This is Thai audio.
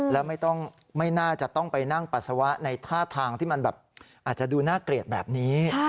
แล้วไม่น่าจะต้องไปนั่งปัสสาวะในท่าทางที่มันแบบอาจจะดูน่าเกลียดแบบนี้